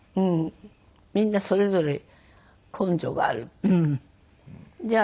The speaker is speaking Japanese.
みんなそれぞれ根性があるっていうか。